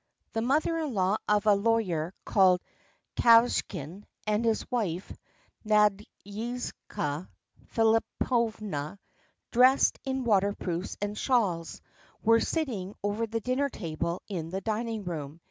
The mother in law of a lawyer, called Kvashin, and his wife, Nadyezhda Filippovna, dressed in waterproofs and shawls, were sitting over the dinner table in the dining room.